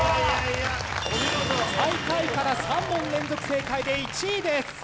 最下位から３問連続正解で１位です。